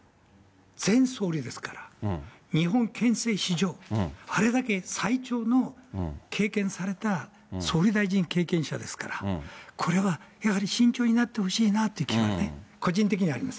前総理ですから、日本憲政史上、あれだけ最長の経験された総理大臣経験者ですから、これはやはり慎重になってほしいなって気はね、個人的にあります